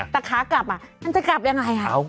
แต่ขากลับมันจะกลับยังไงคะ